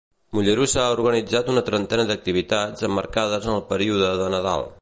Mollerussa ha organitzat una trentena d'activitats emmarcades en el període de Nadal.